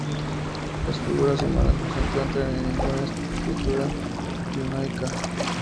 Las figuras humanas no se encuentran en ninguna escritura minoica.